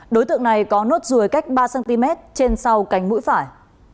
đối tượng này có nốt ruồi cách ba cm trên sau cánh mũi phải